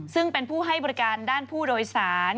ซึ่งเป็นผู้ให้บริการด้านผู้โดยสาร